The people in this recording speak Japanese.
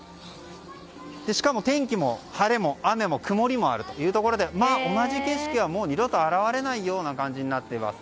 しかも天気も、晴れも雨も曇りもあるというところで同じ景色は、もう２度と現れない感じになっています。